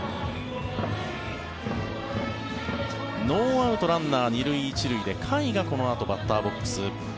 ノーアウト、ランナー２塁１塁で甲斐がこのあとバッターボックス。